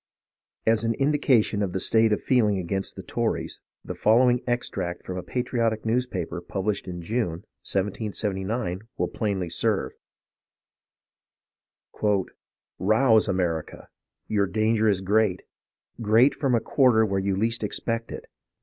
As an indication of the state of feeling against the Tories, the following extract from a patriotic newspaper published in June, 1779, '^ill plainly serve: "Rouse, America ! Your danger is great — great from a quarter where you least expect it.